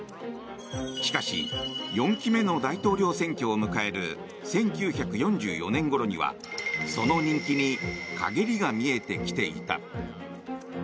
しかし４期目の大統領選挙を迎える１９４４年ごろにはその人気に陰りが見えてきていた。